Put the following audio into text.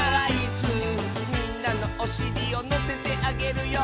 「みんなのおしりをのせてあげるよ」